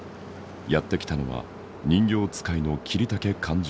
やって来たのは人形遣いの桐竹勘十郎。